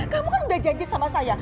kamu kan udah janji sama saya